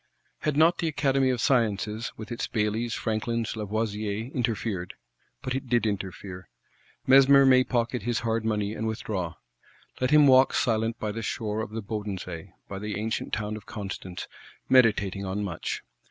Had not the Academy of Sciences, with its Baillys, Franklins, Lavoisiers, interfered! But it did interfere. (Lacretelle, 18me Siecle, iii.258.) Mesmer may pocket his hard money, and withdraw. Let him walk silent by the shore of the Bodensee, by the ancient town of Constance; meditating on much.